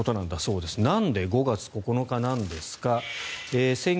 なんで５月９日なんですか。